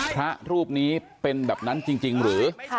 พระรูปนี้เป็นแบบนั้นจริงหรือ